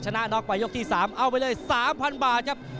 ชนะน็อกไปยกที่๓เอาไปเลย๓๐๐บาทครับ